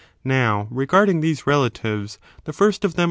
Now, regarding these relatives, the first of them 2.